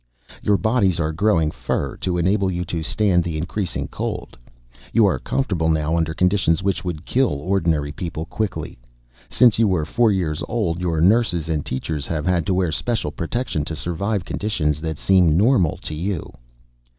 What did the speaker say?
"Your bodies are growing fur to enable you to stand the increasing cold. You are comfortable now under conditions which would kill ordinary people quickly. Since you were four years old your nurses and teachers have had to wear special protection to survive conditions that seem normal to you.